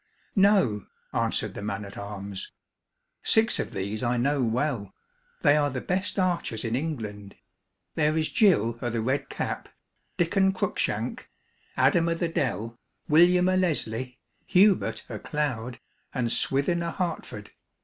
"No," answered the man at arms. "Six of these I know well. They are the best archers in England. There is Gill o' the Red Cap, Diccon Cruikshank, Adam o' the Dell, William o' Leslie, Hubert o' Cloud, and Swithin o'Hertford.